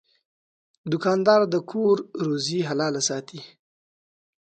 دوکاندار د کور روزي حلاله ساتي.